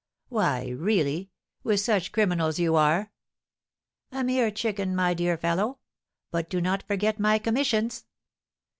"Why, really, with such criminals you are " "A mere chicken, my dear fellow. But do not forget my commissions."